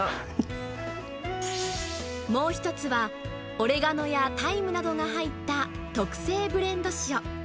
もう一つは、オレガノやタイムなどが入った特製ブレンド塩。